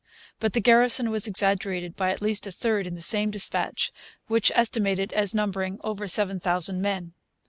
But the garrison was exaggerated by at least a third in the same dispatch, which estimated it as numbering over 7000 men.